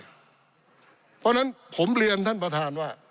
เพราะฉะนั้นผมเรียนท่านประธานว่า